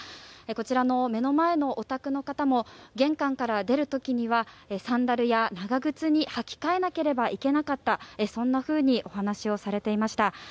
こちらの目の前のお宅の方も玄関から出る時にはサンダルや長靴に履き替えなければいけなかったとお話をされていました。